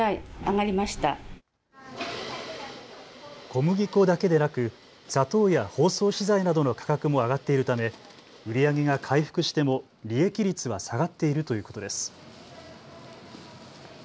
小麦粉だけでなく砂糖や包装資材などの価格も上がっているため売り上げが回復しても利益率は下がっているということです。